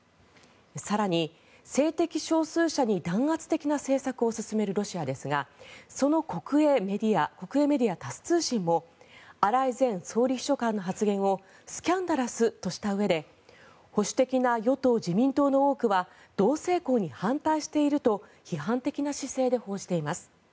更に、性的少数者に弾圧的な政策を進めるロシアですがその国営メディア、タス通信も荒井前総理秘書官の発言をスキャンダラスとしたうえで保守的な与党・自民党の多くは同性婚に反対していると批判的な姿勢で報じています。